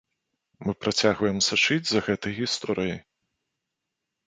Мы працягваем сачыць за гэтай гісторыяй.